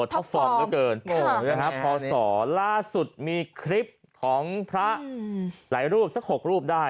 พระฟองก็เกินพอศล่าสุดมีคลิปของพระหลายรูปสัก๖รูปได้